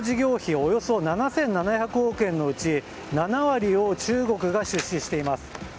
およそ７７００億円のうち７割を中国が出資しています。